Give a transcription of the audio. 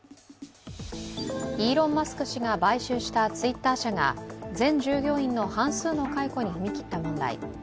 イーロン・マスク氏が買収したＴｗｉｔｔｅｒ社が全従業員の半数の解雇に踏み切った問題。